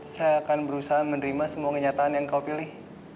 saya akan berusaha menerima semua kenyataan yang kau pilih